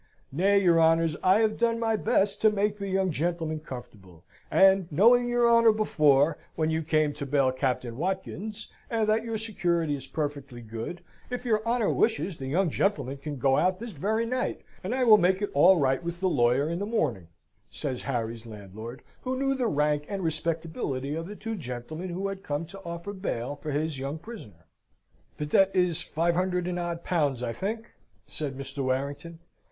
"Nay, your honours, I have done my best to make the young gentleman comfortable; and, knowing your honour before, when you came to bail Captain Watkins, and that your security is perfectly good, if your honour wishes, the young gentleman can go out this very night, and I will make it all right with the lawyer in the morning," says Harry's landlord, who knew the rank and respectability of the two gentlemen who had come to offer bail for his young prisoner. "The debt is five hundred and odd pounds, I think?" said Mr. Warrington.